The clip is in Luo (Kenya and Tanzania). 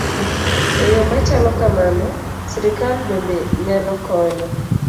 E yo ma chalo kamano, sirkal bende nyalo konyo